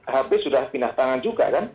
hp sudah pindah tangan juga kan